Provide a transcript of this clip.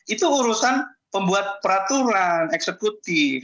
itu urusan pembuat peraturan eksekutif